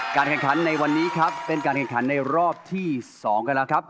แข่งขันในวันนี้ครับเป็นการแข่งขันในรอบที่๒กันแล้วครับ